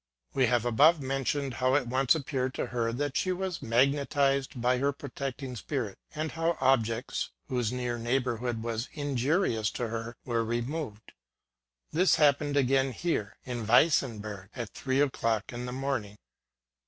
We have above mentioned how it once appeared to her that she was magnetized by her protecting spirit, and how objects, whose near neighbourhood was injurious to I er, were removed. This happened again here (in Weinsberg) at three o'clock in the morning.